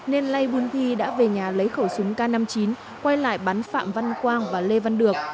nên lê bùn thi đã về nhà lấy khẩu súng k năm mươi chín quay lại bắn phạm văn quang và lê văn được